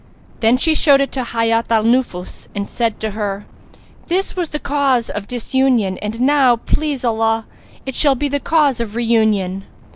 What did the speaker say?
Then she showed it to Hayat al Nufus and said to her, "This was the cause of disunion and now, please Allah, it shall be the cause of reunion."